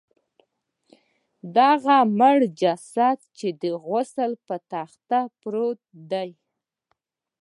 د هغه مړه جسد چې د غسل پر تخت پروت دی.